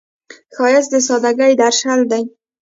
ښایست د سادګۍ درشل دی